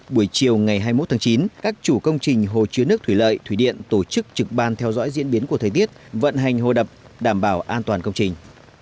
buổi chiều ngày hai mươi một tháng chín các chủ công trình hồ chứa nước thủy lợi thủy điện tổ chức trực ban theo dõi diễn biến của thời tiết vận hành hồ đập đảm bảo an toàn công trình